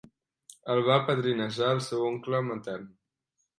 El va padrinejar el seu oncle matern.